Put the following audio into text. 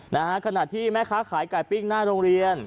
นะฮะขณะที่แม่ค้าขายไก่ปิ้งหน้าโรงเรียน